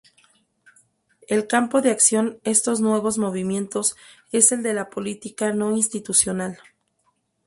El campo de acción estos nuevos movimientos es el de la política no institucional.